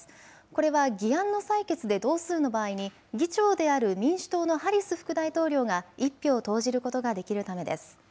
これは議案の採決で同数の場合に議長である民主党のハリス副大統領が１票を投じることができるためです。